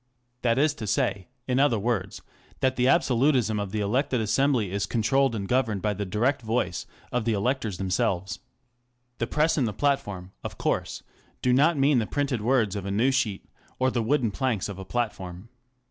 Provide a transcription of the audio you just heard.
That is to say, in other words, that the absolutism of the elected assembly is controlled and governed by the direct voice of the electors them selves. The Press and the Platform, of course, do not mean the printed words of a news sheet or the wooden planks of a platform.